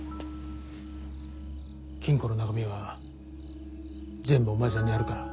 金庫の中身は全部お前さんにやるから。